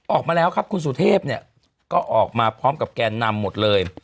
ออกมาแล้วครับคุณสุเทพเนี่ยก็ออกมาพร้อมกับแกนนำหมดเลย